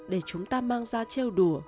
để chúng ta mang ra treo đùa